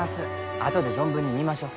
あとで存分に見ましょう。